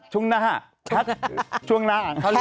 พัทช่วงหน้า